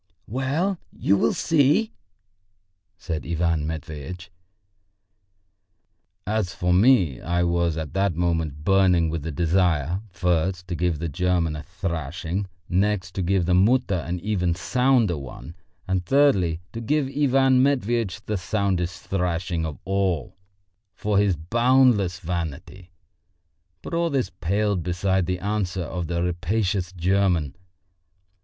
"Well, you will see!" said Ivan Matveitch. As for me, I was at that moment burning with the desire, first, to give the German a thrashing, next, to give the Mutter an even sounder one, and, thirdly, to give Ivan Matveitch the soundest thrashing of all for his boundless vanity. But all this paled beside the answer of the rapacious German.